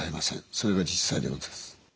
それが実際でございます。